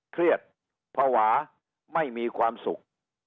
เครียดภาวะไม่มีความสุข